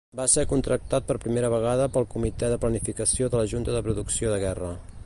Va ser contractat per primera vegada pel Comitè de Planificació de la Junta de Producció de Guerra.